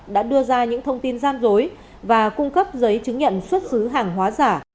đã đưa ra những thông tin gian dối và cung cấp giấy chứng nhận xuất xứ hàng hóa giả